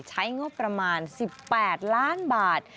ใช้งบประมาณ๑๘ล้านบาท